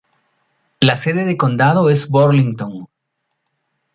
La sede de condado es Burlington.